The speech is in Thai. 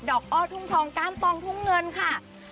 ดอกอ้อทุ่มทองกล้ามตองทุ่มเงินค่ะ